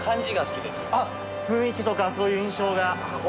雰囲気とかそういう印象が。